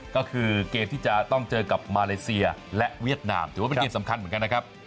ก็คือเกมที่จะต้องเจอกับมาเลเซียและเวียดนามถือว่าเป็นเกมสำคัญเหมือนกันนะครับ